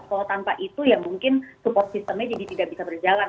kalau tanpa itu ya mungkin support systemnya jadi tidak bisa berjalan